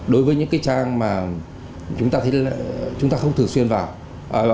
đối với những cái trang mà chúng ta không thường xuyên vào